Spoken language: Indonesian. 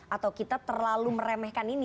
atau kita terlalu meremehkan ini